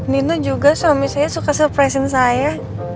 nino juga suami saya suka surprise in saya